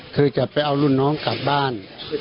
คือจะไปเอารุ่นน้องกลับบ้าน